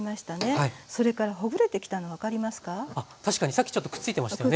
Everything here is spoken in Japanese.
さっきちょっとくっついてましたよね？